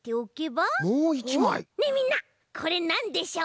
ねえみんなこれなんでしょう？